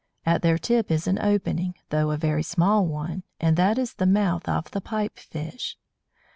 At their tip is an opening, though a very small one, and that is the mouth of the Pipe fish.